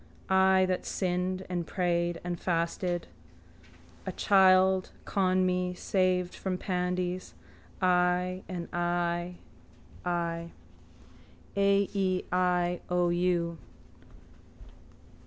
I that sinned and prayed and fasted. A child Conmee saved from pandies. I, I and I. I. A.E.I.O.U.